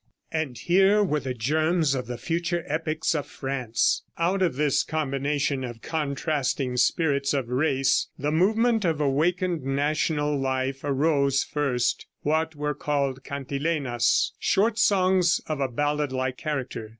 And here were the germs of the future epics of France." Out of this combination of contrasting spirits of race, the movement of awakened national life, arose, first, what were called Cantilenas short songs of a ballad like character.